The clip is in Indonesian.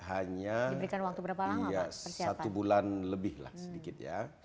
hanya satu bulan lebih sedikit